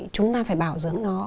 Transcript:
chúng ta phải bảo dưỡng nó